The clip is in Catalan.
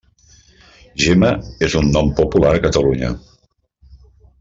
Gemma és un nom popular a Catalunya.